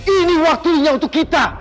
ini waktunya untuk kita